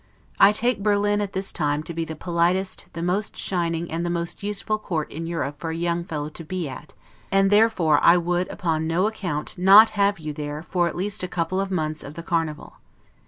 I take Berlin, at this time, to be the politest, the most shining, and the most useful court in Europe for a young fellow to be at: and therefore I would upon no account not have you there, for at least a couple of months of the Carnival.